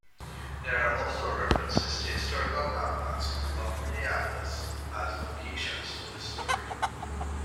There are also references to historical landmarks of Minneapolis as locations for the story.